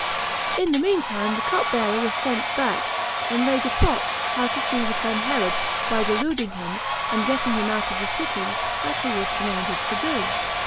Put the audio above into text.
In the mean time, the cup bearer was sent [back], and laid a plot how to seize upon Herod, by deluding him, and getting him out of the city, as he was commanded to do.